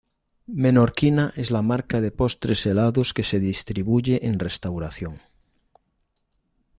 Menorquina es la marca de postres helados que se distribuye en restauración.